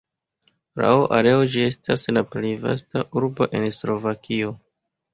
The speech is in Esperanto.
Laŭ areo ĝi estas la plej vasta urbo en Slovakio.